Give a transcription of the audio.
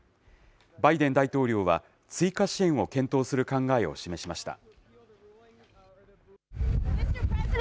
バイデン大統領は、追加支援を検討する考えを示しました。